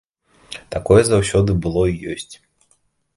Такое заўсёды было і ёсць.